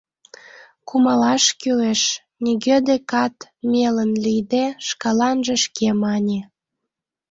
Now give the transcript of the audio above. — Кумалаш кӱлеш, — нигӧ декат мелын лийде, шкаланже шке мане.